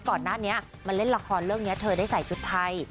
ก่อนหน้านี้มาเล่นละครเรื่องนี้เธอได้ใส่ชุดไทย